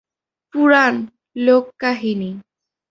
পুরাণ, লোককাহিনী।